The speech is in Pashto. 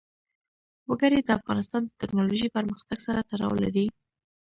وګړي د افغانستان د تکنالوژۍ پرمختګ سره تړاو لري.